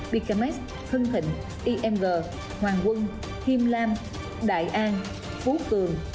bkmx hưng thịnh img hoàng quân hiêm lam đại an phú cường